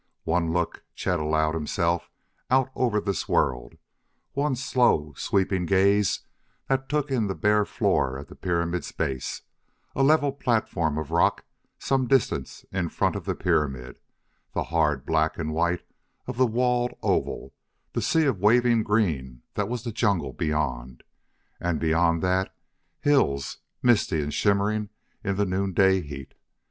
One look Chet allowed himself out over this world one slow, sweeping gaze that took in the bare floor at the pyramid's base, a level platform of rock some distance in front of the pyramid, the hard black and white of the walled oval, the sea of waving green that was the jungle beyond, and, beyond that, hills, misty and shimmering in the noonday heat.